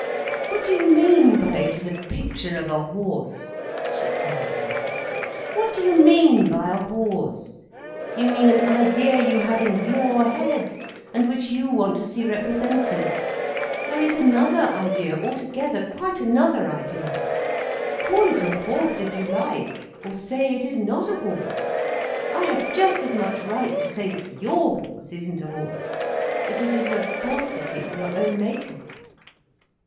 "What do you mean by 'it is a picture of a horse?'" she cried at her sister. "What do you mean by a horse? You mean an idea you have in your head, and which you want to see represented. There is another idea altogether, quite another idea. Call it a horse if you like, or say it is not a horse. I have just as much right to say that your horse isn't a horse, that it is a falsity of your own make up."